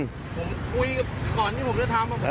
ผมคุยกับก่อนที่ผมจะทำ